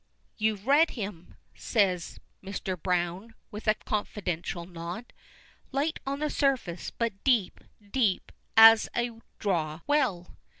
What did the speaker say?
"You've read him," says Mr. Browne with a confidential nod. "Light on the surface, but deep, deep as a draw well?"